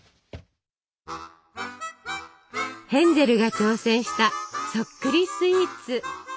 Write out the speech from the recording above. ヘンゼルが挑戦したそっくりスイーツ。